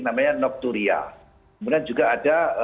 namanya nocturia kemudian juga ada